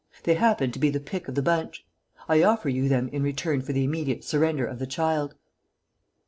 They happen to be the pick of the bunch. I offer you them in return for the immediate surrender of the child."